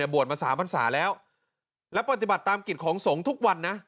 บวชมา๓พันศาแล้วและปฏิบัติตามกิจของสงฆ์ทุกวันนะ